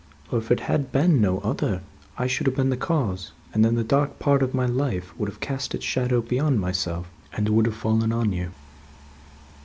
Or, if it had been no other, I should have been the cause, and then the dark part of my life would have cast its shadow beyond myself, and would have fallen on you."